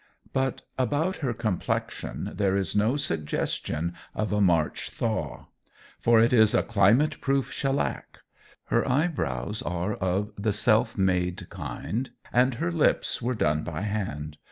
But about her complexion there is no suggestion of a March thaw. For it is a climate proof shellac. Her eyebrows are the self made kind, and her lips were done by hand.